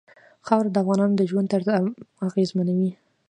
خاوره د افغانانو د ژوند طرز اغېزمنوي.